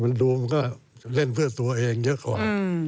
มันดูมันก็เล่นเพื่อตัวเองเยอะกว่า